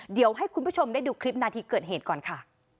เดี๋ยวให้คุณผู้ชมได้ดูคลิปนาทีเกิดเหตุก่อนค่ะ